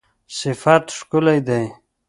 صفت ښکلی دی